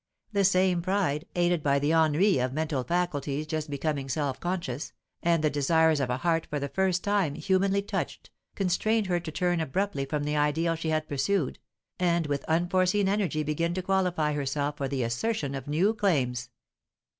The same pride, aided by the ennui of mental faculties just becoming self conscious, and the desires of a heart for the first time humanly touched, constrained her to turn abruptly from the ideal she had pursued, and with unforeseen energy begin to qualify herself for the assertion of new claims.